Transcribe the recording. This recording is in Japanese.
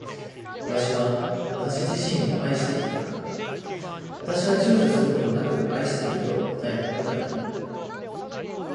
私は私自身を愛しているか。私は躊躇ちゅうちょすることなく愛していると答えることが出来る。